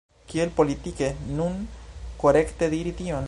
Kiel politike nun korekte diri tion?